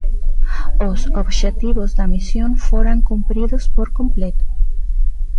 Os obxectivos da misión foran "cumpridos por completo".